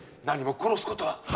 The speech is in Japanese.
何も殺すことは！